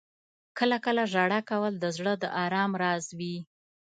• کله کله ژړا کول د زړه د آرام راز وي.